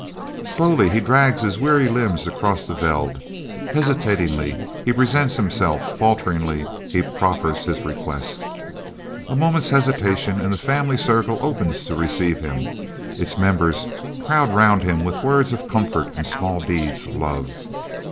Slowly he drags his weary limbs across the veld, hesitatingly he presents himself, falteringly he proffers his request. A moment's hesitation and the family circle opens to receive him, its members crowd round him with words of comfort and small deeds of love.